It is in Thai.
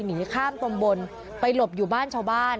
หนีข้ามตำบลไปหลบอยู่บ้านชาวบ้าน